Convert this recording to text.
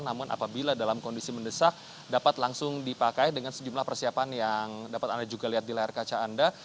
namun apabila dalam kondisi mendesak dapat langsung dipakai dengan sejumlah persiapan yang dapat anda juga lihat di layar kaca anda